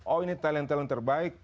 oh ini talent talent terbaik